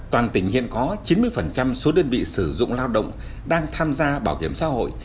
toàn tỉnh hiện có chín mươi số đơn vị sử dụng lao động đang tham gia bảo hiểm xã hội